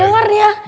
dengar nih ya